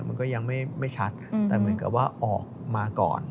มันก็ยังไม่ชัดแต่เหมือนกับว่าออกมาก่อน